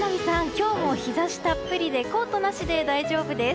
今日も日差したっぷりでコートなしでも大丈夫です。